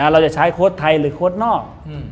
เราจะใช้โค้ดไทยหรือโค้ดนอก